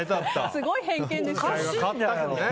すごい偏見ですね。